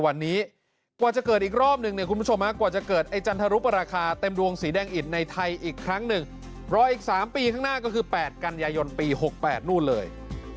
๓ปีข้างหน้าก็คือ๘กันยายนปี๖๘นู่นเลย